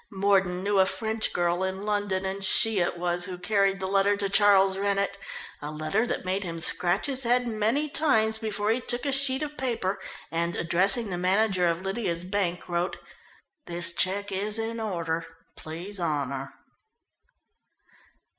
Mordon knew a French girl in London, and she it was who carried the letter to Charles Rennett a letter that made him scratch his head many times before he took a sheet of paper, and addressing the manager of Lydia's bank, wrote: "This cheque is in order. Please honour."